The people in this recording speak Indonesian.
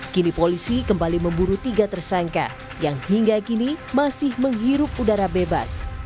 kini polisi kembali memburu tiga tersangka yang hingga kini masih menghirup udara bebas